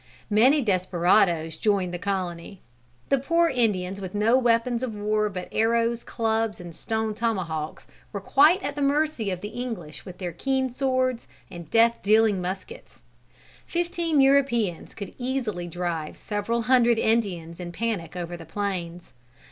Many desperadoes joined the colony. The poor Indians with no weapons of war but arrows, clubs and stone tomahawks, were quite at the mercy of the English with their keen swords, and death dealing muskets. Fifteen Europeans could easily drive several hundred Indians in panic over the plains.